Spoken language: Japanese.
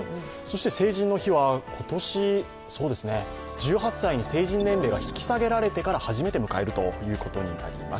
成人の日は今年、１８歳に成人年齢が引き下げられてから初めて迎えるということになります。